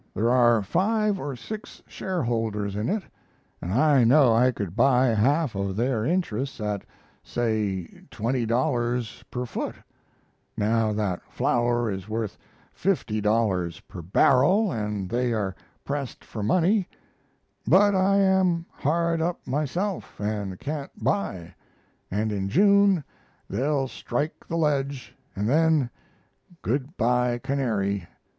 There are five or six shareholders in it, and I know I could buy half of their interests at, say $20 per foot, now that flour is worth $50 per barrel and they are pressed for money, but I am hard up myself, and can't buy and in June they'll strike the ledge, and then "good by canary."